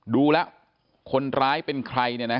ดูแล้วคนร้ายเป็นใครเนี่ยนะ